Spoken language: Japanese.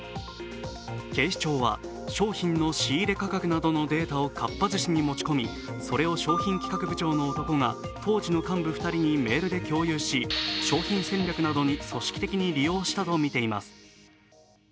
警視庁は商品の仕入価格などのデータをかっぱ寿司に持ち込み、それを商品企画部長の男が当時の幹部２人にメールで共有し、商品戦略などに無断で利用したとしています。